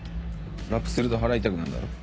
ラップすると腹痛くなるだろ？